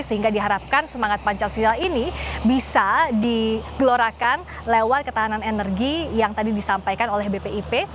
sehingga diharapkan semangat pancasila ini bisa digelorakan lewat ketahanan energi yang tadi disampaikan oleh bpip